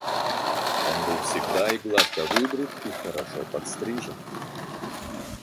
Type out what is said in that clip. Он был всегда и гладко выбрит и хорошо подстрижен.